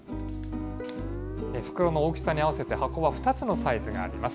袋の大きさに合わせて、箱は２つのサイズがあります。